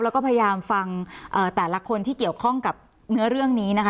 แล้วก็พยายามฟังแต่ละคนที่เกี่ยวข้องกับเนื้อเรื่องนี้นะคะ